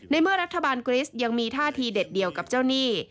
เมื่อรัฐบาลกริสยังมีท่าทีเด็ดเดียวกับเจ้าหนี้